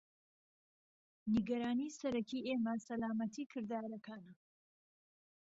نیگەرانی سەرەکی ئێمە سەلامەتی کردارەکانە.